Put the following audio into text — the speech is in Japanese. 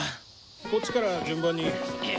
こっちから順番に。